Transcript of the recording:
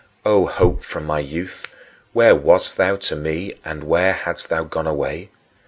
O Hope from my youth, where wast thou to me and where hadst thou gone away?